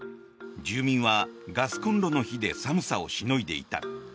住民はガスコンロの火で寒さをしのいでいた。